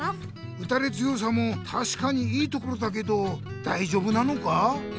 うたれ強さもたしかにいいところだけどだいじょうぶなのか？